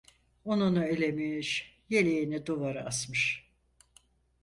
Ununu elemiş eleğini duvara asmış.